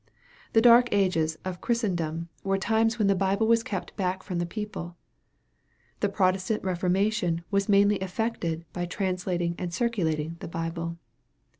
The dark age? of Christendom were 258 EXPOSITORY THOUGHTS times when the Bible was kept back from the people. The Protestant Keformation was mainly effected by translating and circulating the Bible.